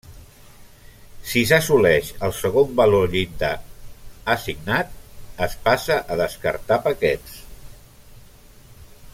Si s'assoleix el segon valor llindar assignat, es passa a descartar paquets.